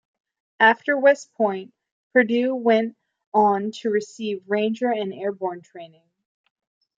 After West Point, Perdew went on to receive Ranger and Airborne training.